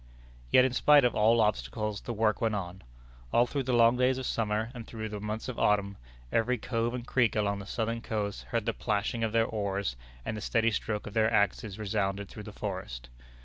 Yet in spite of all obstacles, the work went on. All through the long days of summer, and through the months of autumn, every cove and creek along that southern coast heard the plashing of their oars, and the steady stroke of their axes resounded through the forest.